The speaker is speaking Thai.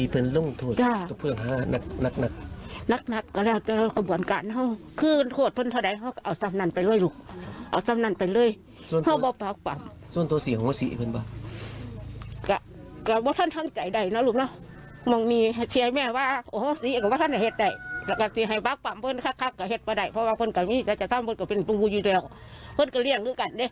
เพราะว่าคนกับนี้ก็จะทำกับเป็นปู่อยู่เดียว